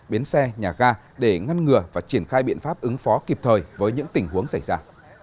biến xe nhà ga để ngăn ngừa và triển khai biện pháp ứng phó kịp thời với những tình huống xảy ra